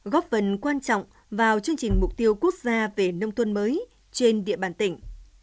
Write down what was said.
góp phần quan trọng vào chương trình mục tiêu quốc gia về nông tuân mới trên địa bàn tỉnh